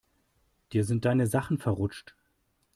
Dir sind deine Sachen verrutscht.